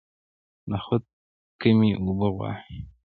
نخود کمې اوبه غواړي.